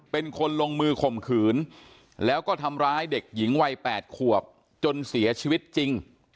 เป็นคนลงมือข่มขืนแล้วก็ทำร้ายเด็กหญิงวัย๘ขวบจนเสียชีวิตจริง